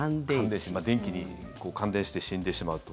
電気に感電して死んでしまうと。